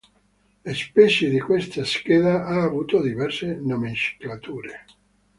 La specie di questa scheda ha avuto diverse nomenclature.